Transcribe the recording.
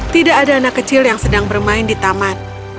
tidak ada anak kecil yang sedang bermain di taman